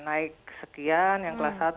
naik sekian yang kelas satu